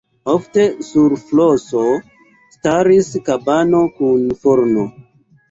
Ofte sur floso staris kabano kun forno.